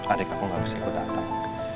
adik aku gak bisa ikut antam